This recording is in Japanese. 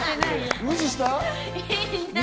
無視した？